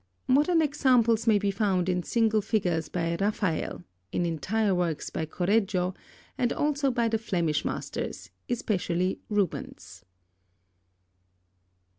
Modern examples may be found in single figures by Raphael, in entire works by Correggio, and also by the Flemish masters, especially Rubens.